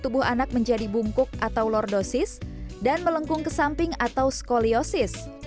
tubuh anak menjadi bungkuk atau lordosis dan melengkung ke samping atau skoliosis